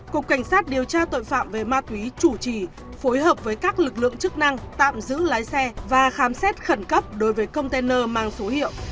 cục cảnh sát điều tra tội phạm về ma túy chủ trì phối hợp với các lực lượng chức năng tạm giữ lái xe và khám xét khẩn cấp đối với container mang số hiệu